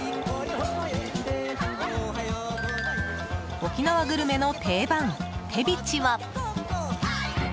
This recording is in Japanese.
沖縄グルメの定番、てびちは。